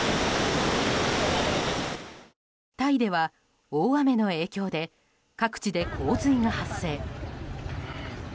タイでは大雨の影響で各地で洪水が発生。